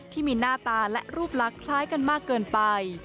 ที่มีหน้าตาและรูปลักษณ์คล้ายกันมากเกินไป